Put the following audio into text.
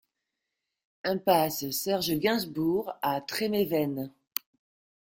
Impasse Serge Gainsbourg à Tréméven